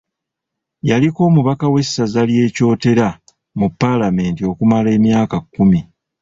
Yaliko omubaka w’essaza ly’e Kyotera mu Palamenti okumala emyaka kkumi.